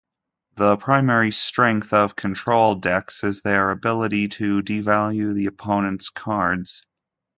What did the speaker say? The primary strength of control decks is their ability to devalue the opponent's cards.